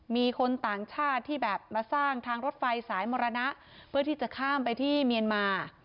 มีคนต่างชาติที่แบบมาสร้างทางรถไฟสายมรณะเพื่อที่จะข้ามไปที่เมียนมา